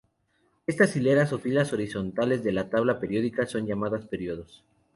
Estas hileras o filas horizontales de la tabla periódica son llamadas períodos.